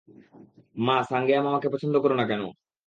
মা, সাঙ্গেয়া মামাকে পছন্দ করো না কেন?